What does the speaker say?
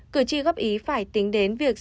cử tri góp ý phải tính đến việc